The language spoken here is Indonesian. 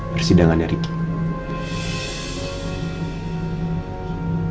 bersidangan hari ini